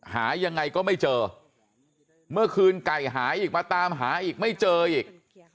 หายังไงก็ไม่เจอเมื่อคืนไก่หายอีกมาตามหาอีกไม่เจออีก